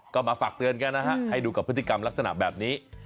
ก็มาฝากเตือนกันนะฮะให้ดูกับพฤติกรรมลักษณะแบบนี้